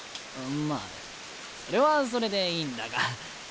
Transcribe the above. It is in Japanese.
まあそれはそれでいいんだが。